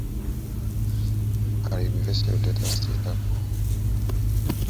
Consequently, the convenience yield is inversely related to inventory levels.